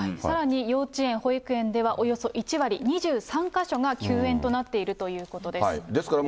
さらに、幼稚園、保育園ではおよそ１割、２３か所が休園となっているということです。